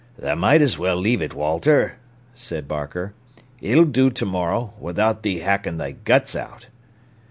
"Tha might as well leave it, Walter," said Barker. "It'll do to morrow, without thee hackin' thy guts out."